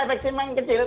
efek simpan yang kecil